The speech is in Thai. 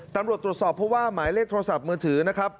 ตำรวจตรวจสอบเพราะว่าหมายเลขโทรศัพท์มือถือนะครับ